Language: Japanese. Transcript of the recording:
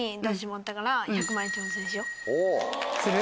する？